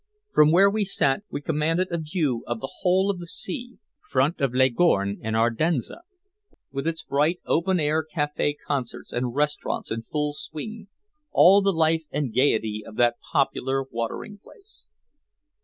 From where we sat we commanded a view of the whole of the sea front of Leghorn and Ardenza, with its bright open air café concerts and restaurants in full swing all the life and gayety of that popular watering place.